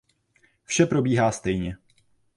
Vše probíhá stejně.